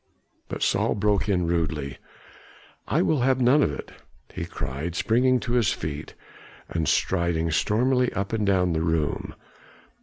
But Saul broke in rudely. "I will have none of it," he cried, springing to his feet and striding stormily up and down the room.